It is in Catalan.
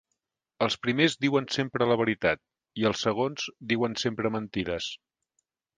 Els primers diuen sempre la veritat, i els segons diuen sempre mentides.